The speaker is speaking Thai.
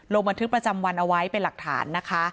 ลงบันทึกประจำวันเอาไว้เป็นหลักฐานนะคะ